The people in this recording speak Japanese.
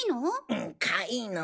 うんかいの。